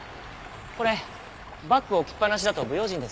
これバッグ置きっぱなしだと不用心ですよ。